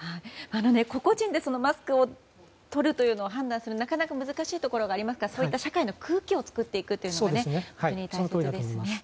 個々人でマスクをとるというのを判断するのはなかなか難しいところがありますがそういった社会の空気を作っていくのも大事ですね。